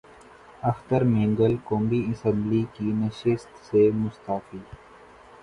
اختر مینگل قومی اسمبلی کی نشست سے مستعفی